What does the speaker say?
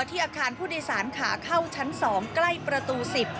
อาคารผู้โดยสารขาเข้าชั้น๒ใกล้ประตู๑๐